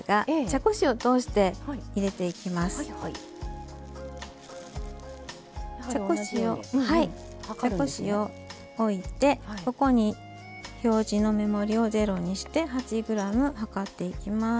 茶こしを茶こしを置いてここに表示の目盛りをゼロにして８ｇ量っていきます。